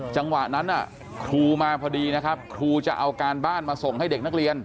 จังหวะนั้นครูมาพอดีนะครับครูจะเอาการบ้านมาส่งให้เด็กนักเรียน